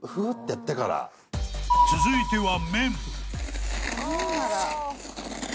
［続いては］